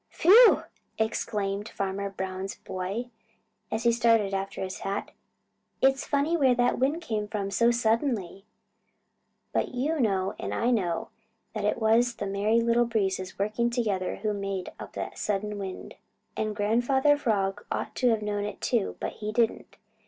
"Phew!" exclaimed Farmer Brown's boy, as he started after his hat. "It's funny where that wind came from so suddenly!" But you know and I know that it was the Merry Little Breezes working together who made up that sudden wind. And Grandfather Frog ought to have known it too, but he didn't.